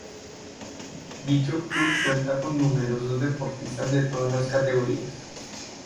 Dicho club cuenta con numerosos deportistas de todas las categorías.